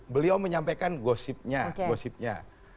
beliau menyampaikan gosipnya